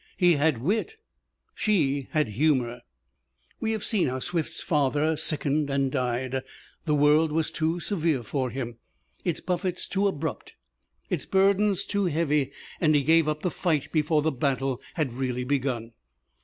He had wit; she had humor. We have seen how Swift's father sickened and died. The world was too severe for him, its buffets too abrupt, its burden too heavy, and he gave up the fight before the battle had really begun.